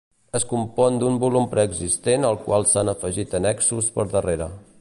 Es compon d'un volum preexistent al qual s'han afegit annexos per darrere.